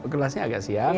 kelasnya agak siang